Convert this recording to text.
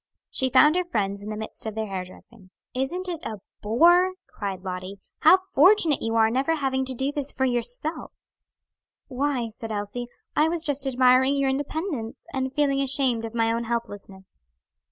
She found her friends in the midst of their hair dressing. "Isn't it a bore?" cried Lottie. "How fortunate you are in never having to do this for yourself." "Why," said Elsie, "I was just admiring your independence, and feeling ashamed of my own helplessness."